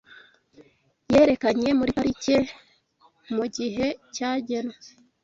Yerekanye muri parike mugihe cyagenwe.